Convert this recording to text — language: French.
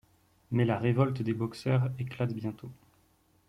Mais la révolte des Boxers éclate bientôt.